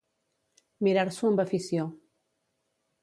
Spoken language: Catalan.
Mirar-s'ho amb afició.